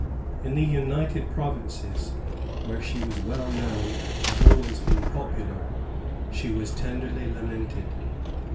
In the United Provinces, where she was well known and had always been popular, she was tenderly lamented.